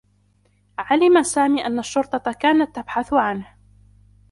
علم سامي أنّ الشّرطة كانت تبحث عنه.